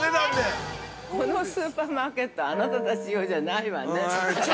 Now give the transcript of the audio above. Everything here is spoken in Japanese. ◆このスーパーマーケットあなたたち用じゃないわね。